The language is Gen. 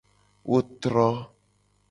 Wo tro.